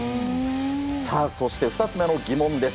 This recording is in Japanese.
そして２つ目の疑問です。